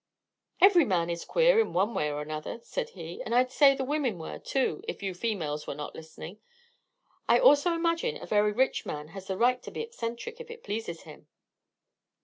"Every man is queer in one way or another," said he, "and I'd say the women were, too, if you females were not listening. I also imagine a very rich man has the right to be eccentric, if it pleases him."